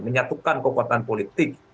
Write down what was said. menyatukan kekuatan politik